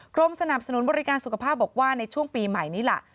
กรมสนับสนุนบริการสุขภาพบอกว่าในช่วงปีใหม่นี้ล่ะ